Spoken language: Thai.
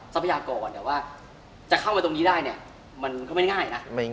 ทรัพยากรแต่ว่าจะเข้ามาตรงนี้ได้เนี่ยมันก็ไม่ง่ายนะ